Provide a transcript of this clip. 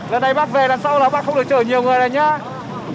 lần này bác về lần sau là bác không được chợ nhiều người này nhá